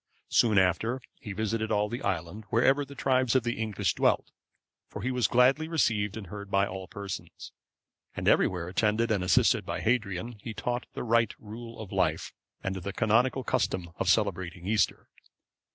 Soon after, he visited all the island, wherever the tribes of the English dwelt, for he was gladly received and heard by all persons; and everywhere attended and assisted by Hadrian, he taught the right rule of life, and the canonical custom of celebrating Easter.